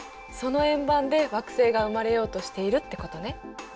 その円盤で惑星が生まれようとしているってことね。